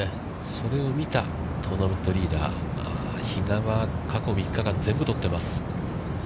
それを見たトーナメントリーダー比嘉は過去３日間、全部、取ってます。